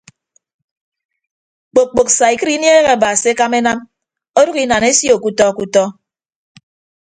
Kpok kpok saikịd inieehe aba se ekama enam ọdʌk inan esio kutọ kutọ.